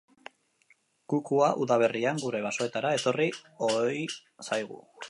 Kukua udaberrian gure basoetara etorri ohi zaigu.